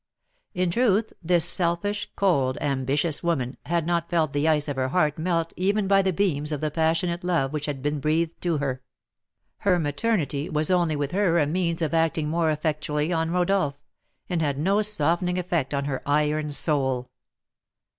In truth, this selfish, cold, ambitious woman had not felt the ice of her heart melt even by the beams of the passionate love which had been breathed to her. Her maternity was only with her a means of acting more effectually on Rodolph, and had no softening effect on her iron soul.